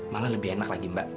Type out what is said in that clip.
malah lebih enak lagi mbak